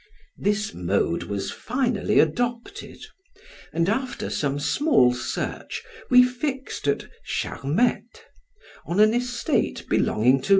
This mode was finally adopted; and after some small search, we fixed at Charmettes, on an estate belonging to M.